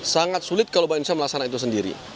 sangat sulit kalau bank indonesia melaksanakan itu sendiri